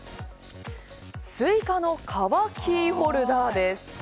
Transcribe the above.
スイカの皮キーホルダーです。